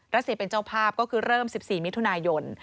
สีเป็นเจ้าภาพก็คือเริ่ม๑๔มิถุนายน